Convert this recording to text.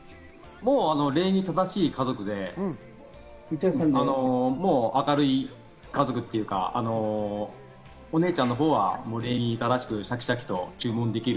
礼儀正しい家族で、明るい家族というか、お姉ちゃんのほうは礼儀正しく、シャキシャキと注文できる。